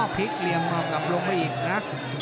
อ๋อพลิกเหลี่ยมออกกลับลงไปอีกนะ